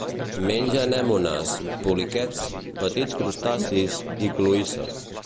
Menja anemones, poliquets, petits crustacis i cloïsses.